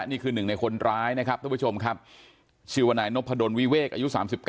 นี่คือหนึ่งในคนร้ายนะครับท่านผู้ชมครับชื่อว่านายนพดลวิเวกอายุ๓๙